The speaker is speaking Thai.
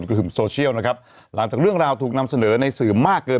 หึ่มโซเชียลนะครับหลังจากเรื่องราวถูกนำเสนอในสื่อมากเกิน